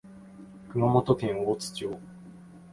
熊本県大津町